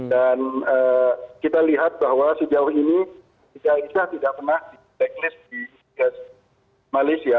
dan kita lihat bahwa sejauh ini siti aisyah tidak pernah di backlist di malaysia